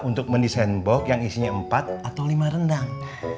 untuk mendesain box yang isinya empat atau lima rendang